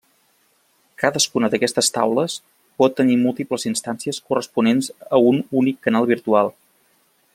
Cadascuna d'aquestes taules pot tenir múltiples instàncies corresponents a un únic canal virtual.